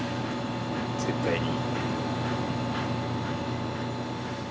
絶対に。